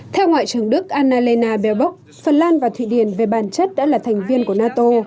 theo ngoại trưởng đức annalena bebok phần lan và thụy điển về bản chất đã là thành viên của nato